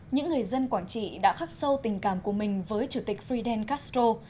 những người dân quảng trị đã khắc sâu tình cảm của mình với chủ tịch fidel castro